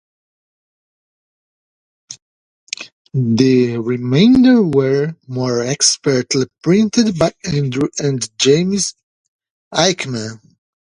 The remainder were more expertly printed by Andrew and James Aikman.